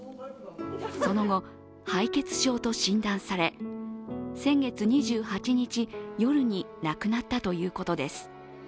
その後、敗血症と診断され、先月２８日夜に亡くなったということです。